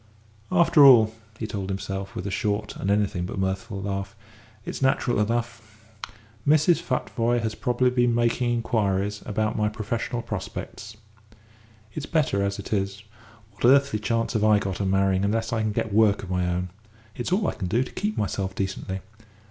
"After all," he told himself, with a short and anything but mirthful laugh, "it's natural enough. Mrs. Futvoye has probably been making inquiries about my professional prospects. It's better as it is. What earthly chance have I got of marrying unless I can get work of my own? It's all I can do to keep myself decently.